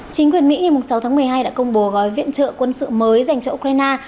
chính quyền mỹ ngày sáu tháng một mươi hai đã công bố gói viện trợ quân sự mới dành cho ukraine